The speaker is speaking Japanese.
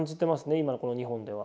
今のこの日本では。